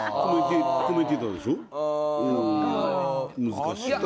難しい。